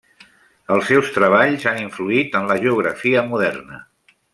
Els seus treballs han influït en la geografia moderna.